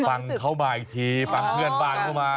ฟังเขามาอีกทีฟังเพื่อนบ้านเข้ามา